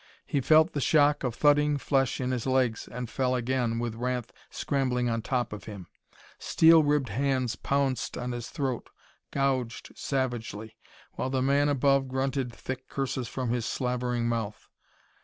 He felt the shock of thudding flesh in his legs, and fell again with Ranth scrambling on top of him. Steel ribbed hands pounced on his throat, gouged savagely, while the man above grunted thick curses from his slavering mouth.